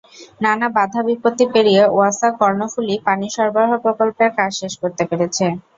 নানা বাধাবিপত্তি পেরিয়ে ওয়াসা কর্ণফুলী পানি সরবরাহ প্রকল্পের কাজ শেষ করতে পেরেছে।